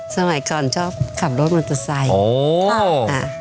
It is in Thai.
สมัยก่อนชอบขับรถมอเตอร์ไซค์